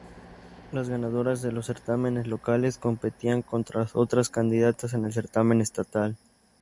Las ganadoras de los certámenes locales competían contras otras candidatas en el certamen estatal.